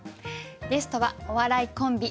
ゲストはお笑いコンビ